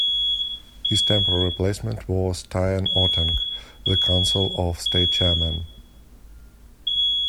His temporary replacement was Tion Otang, the Council of State chairman.